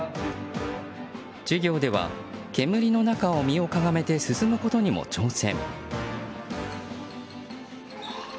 授業では煙の中を身をかがめて進むことにも挑戦。